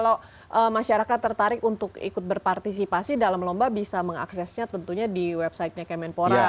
kalau masyarakat tertarik untuk ikut berpartisipasi dalam lomba bisa mengaksesnya tentunya di website nya kemenpora